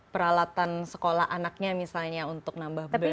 peralatan sekolah anaknya misalnya untuk nambah belanja buku